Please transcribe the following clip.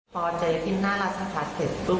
พอเจพินหน้ารัฐศาสตร์เสร็จปุ๊บ